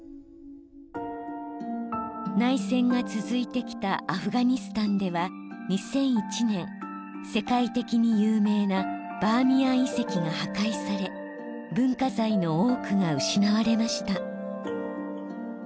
内戦が続いてきたアフガニスタンでは２００１年世界的に有名なバーミヤン遺跡が破壊され文化財の多くが失われました。